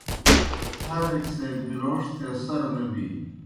ہر ایْک سے بِلوݜ تھے سرہ نہ بِینیْ۔